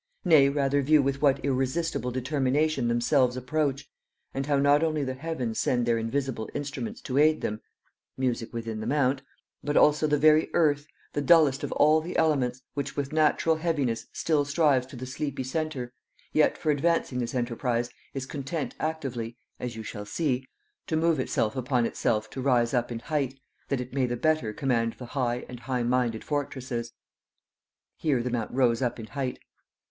Nay, rather view with what irresistible determination themselves approach, and how not only the heavens send their invisible instruments to aid them, (music within the mount) but also the very earth, the dullest of all the elements, which with natural heaviness still strives to the sleepy centre, yet, for advancing this enterprise, is content actively (as you shall see) to move itself upon itself to rise up in height, that it may the better command the high and high minded fortresses. "(_Here the mount rose up in height.